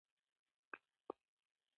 یوازې مې د مرحوم تږي صاحب تبصرې لوستلي دي.